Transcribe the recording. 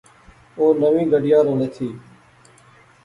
اوہ نویں گڈیا راں لیتھِی